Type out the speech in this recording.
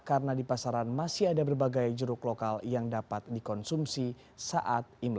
karena di pasaran masih ada berbagai jeruk lokal yang dapat dikonsumsi saat imlek